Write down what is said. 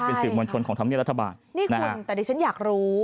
สื่อมวลชนของธรรมเนียรัฐบาลนี่คุณแต่ดิฉันอยากรู้